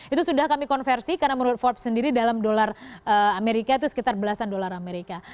itu sudah kami konversi karena menurut forbes sendiri dalam dolar amerika itu sekitar belasan dolar amerika